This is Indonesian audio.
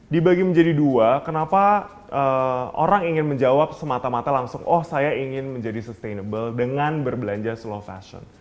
dibagi menjadi dua kenapa orang ingin menjawab semata mata langsung oh saya ingin menjadi sustainable dengan berbelanja slow fashion